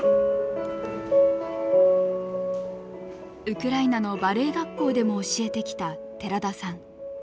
ウクライナのバレエ学校でも教えてきた寺田さん。